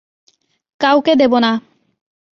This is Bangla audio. কাউকে দেব না।